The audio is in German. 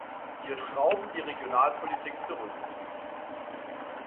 Wir schrauben die Regionalpolitik zurück.